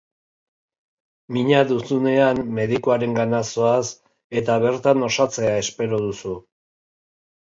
Mina duzunean medikuarengana zoaz, eta bertan osatzea espero duzu.